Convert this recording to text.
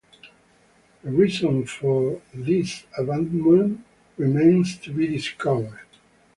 The reason for this abandonment remains to be discovered.